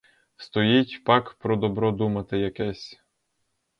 Стоїть пак про добро думати якесь?